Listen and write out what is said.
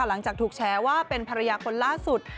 หลังจากถูกแชร์ว่าเป็นภรรยาคนล่าสุด